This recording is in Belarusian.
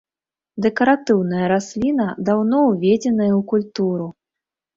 Дэкаратыўная расліна, даўно уведзеная ў культуру.